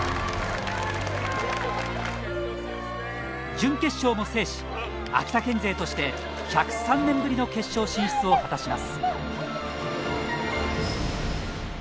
準決勝も制し秋田県勢として１０３年ぶりの決勝進出を果たします。